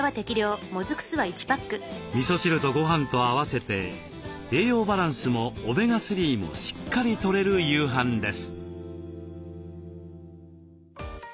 みそ汁とごはんと合わせて栄養バランスもオメガ３もしっかりとれる夕飯です。